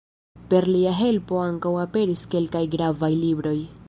Per lia helpo ankaŭ aperis kelkaj gravaj libroj.